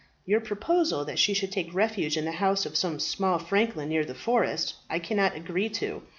Your proposal that she should take refuge in the house of some small franklin near the forest, I cannot agree to.